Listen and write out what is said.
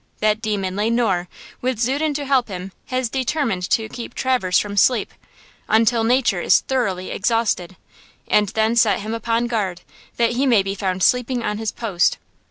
That demon, Le Noir, with Zuten to help him, has determined to keep Traverse from sleep, until nature is thoroughly exhausted, and then set him upon guard, that he may be found sleeping on his post.